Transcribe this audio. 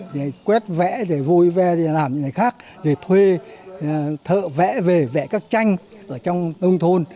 rồi quét vẽ rồi vôi ve rồi làm những gì khác rồi thuê thợ vẽ về vẽ các tranh ở trong nông thôn